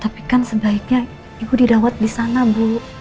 tapi kan sebaiknya ibu dirawat disana bu